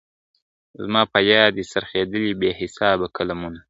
زما په یاد دي څرخېدلي بې حسابه قلمونه ..